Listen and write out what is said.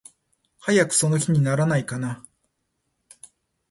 早くその日にならないかな。